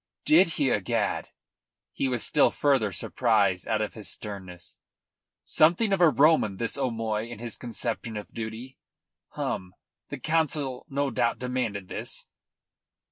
"Did he, egad!" He was still further surprised out of his sternness. "Something of a Roman this O'Moy in his conception of duty! Hum! The Council no doubt demanded this?"